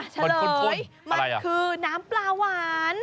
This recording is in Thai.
เฉลยมันคือน้ำปลาหวาน